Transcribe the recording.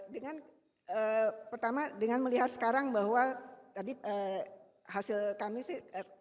dengan pertama dengan melihat sekarang bahwa tadi hasil kami sih